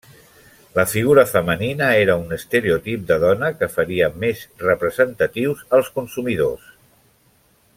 La figura femenina era un estereotip de dona que faria més representatius als consumidors.